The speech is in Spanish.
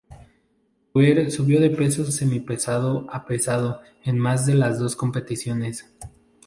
Weir subió de peso semipesado a pesado en más de las dos competiciones.